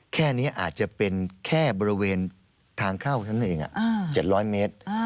แค่นี้อาจจะเป็นแค่บริเวณทางเข้าเท่านั้นเอง๗๐๐เมตร